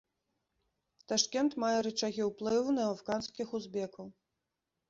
Ташкент мае рычагі ўплыву на афганскіх узбекаў.